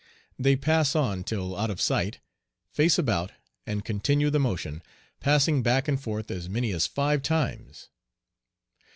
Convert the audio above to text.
They pass on till out of sight, face about and "continue the motion," passing back and forth as many as five times.